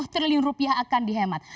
dua puluh triliun rupiah akan dihemat